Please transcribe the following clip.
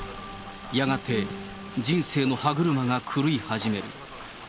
やがて、人生の歯車が狂い始める。